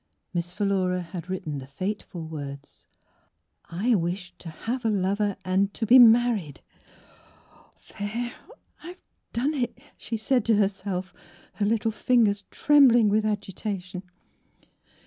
Miss Philura had written the 32 Miss Phibtra fateful words :" I wish to have a lover and to be married." " There, I have done it !*' she said to herself, her little fingers trembling with agita tion.